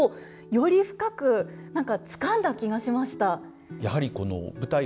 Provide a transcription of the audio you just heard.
より深く何かつかんだ気がしました。